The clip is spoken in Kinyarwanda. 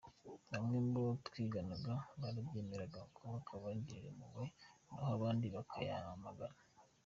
Bamwe mu bo twiganaga baranyemeraga, hakaba abangirira impuhwe, naho abandi bakanyamagana.